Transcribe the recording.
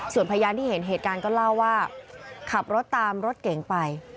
ส่วนพยานที่เห็นเหตุการณ์ก็เล่าว่าขับรถตามรถเก๋งไป